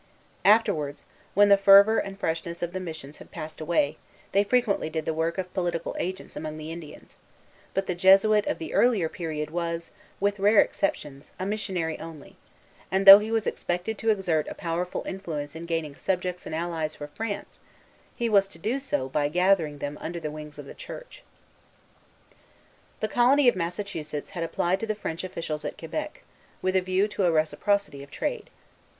Afterwards, when the fervor and freshness of the missions had passed away, they frequently did the work of political agents among the Indians: but the Jesuit of the earlier period was, with rare exceptions, a missionary only; and though he was expected to exert a powerful influence in gaining subjects and allies for France, he was to do so by gathering them under the wings of the Church. The Colony of Massachusetts had applied to the French officials at Quebec, with a view to a reciprocity of trade.